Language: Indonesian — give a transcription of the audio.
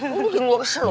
kok mungkin gue kesel lu